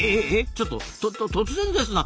ちょっと突然ですな。